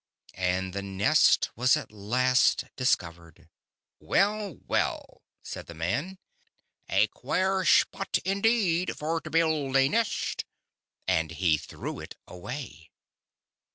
And the nest was at last discovered. " Well, well," said the man, " a quare shpot indade for to build a nist," and he threw it away.